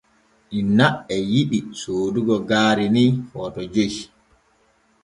Inna e yiɗi soodugo gaari ni Footo joy.